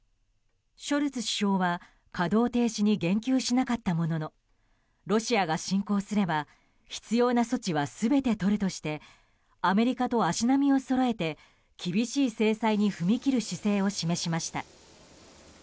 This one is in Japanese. ショルツ首相は、稼働停止に言及しなかったもののロシアが侵攻すれば必要な措置は全て取るとしてアメリカと足並みをそろえて厳しい制裁に踏み切る姿勢を示しました。